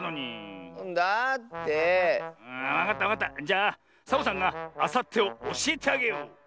じゃあサボさんがあさってをおしえてあげよう。